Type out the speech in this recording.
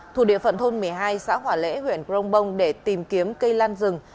thủ địa phận thôn một mươi hai xã hỏa lễ huyện crong bông để tìm kiếm cây lan rừng